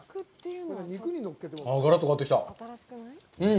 がらっと変わってきた。